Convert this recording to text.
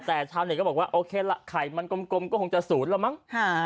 แต่ชาวเน็ตก็บอกว่าโอเคละไข่มันกลมก็คงจะศูนย์แล้วมั้ง